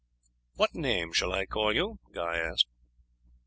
"What name shall I call you?" Guy asked.